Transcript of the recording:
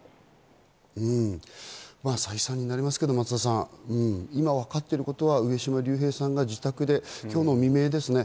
再三になりますが、松田さん、今わかっていることは上島竜兵さんが自宅で今日の未明ですね。